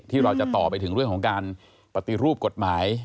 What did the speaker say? เราจะต่อไปถึงเรื่องของการปฏิรูปกฎหมาย